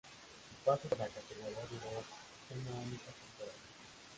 Su paso por la categoría duró una única temporada.